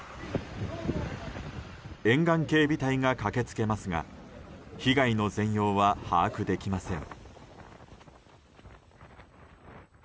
沿岸警備隊が駆け付けますが被害の全容は把握できません。